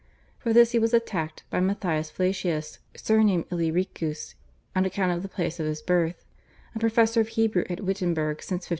For this he was attacked by Matthias Flacius, surnamed Illyricus on account of the place of his birth, a professor of Hebrew at Wittenberg since 1544.